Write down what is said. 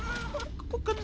ここかな？